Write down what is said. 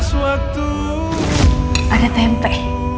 kita tiga puluh win pake tempe ya